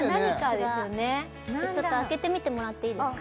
ですよねちょっと開けてみてもらっていいですか？